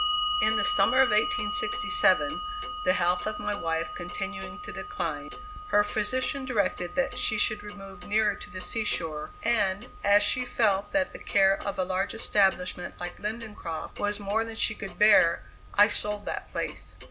In the summer of 1867, the health of my wife continuing to decline, her physician directed that she should remove nearer to the sea shore; and, as she felt that the care of a large establishment like Lindencroft was more than she could bear, I sold that place.